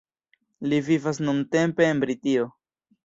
Li vivas nuntempe en Britio.